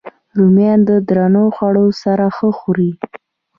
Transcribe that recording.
رومیان د درنو خوړو سره ښه خوري